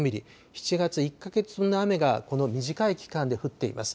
７月１か月分の雨がこの短い期間で降っています。